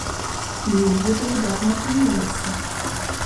І ў іх гэта выдатна атрымліваецца!